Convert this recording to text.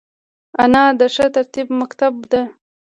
انا د ښه تربیت مکتب ده